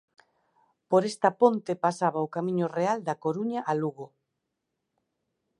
Por esta ponte pasaba o camiño real da Coruña a Lugo.